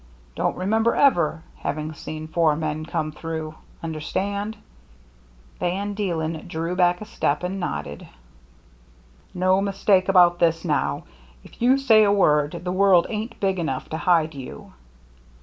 Don't remember ever having seen four men come through. Understand ?" Van Deelen drew back a step, and nodded. " No mistake about this now. If you say a word, the world ain't big enough to hide you."